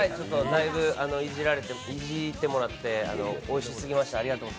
だいぶイジってもらって、おいしすぎました。